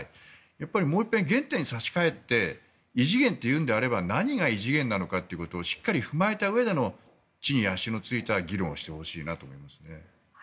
やっぱり、もう一遍原点に立ち返って異次元というなら何が異次元なのかをしっかり踏まえたうえでの地に足のついた議論をしてほしいなと思いますね。